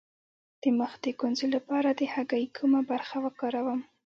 د مخ د ګونځو لپاره د هګۍ کومه برخه وکاروم؟